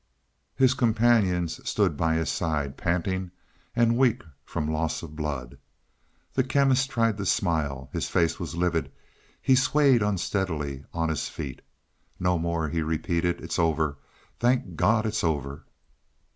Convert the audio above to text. His companions stood by his side, panting and weak from loss of blood. The Chemist tried to smile. His face was livid; he swayed unsteadily on his feet. "No more," he repeated. "It's over. Thank God, it's over!"